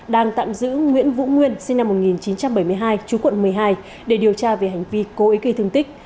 đang tạm giữ nguyễn vũ nguyên sinh năm một nghìn chín trăm bảy mươi hai chú quận một mươi hai để điều tra về hành vi cố ý gây thương tích